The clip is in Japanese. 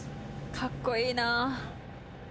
かっこいいな。